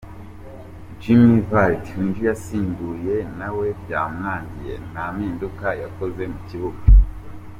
Jamie Vardy winjiye asimbuye nawe byamwangiye nta mpinduka yakoze mu kibuga.